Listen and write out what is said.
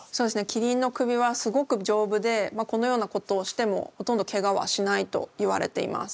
キリンの首はすごく丈夫でこのようなことをしてもほとんどけがはしないといわれています。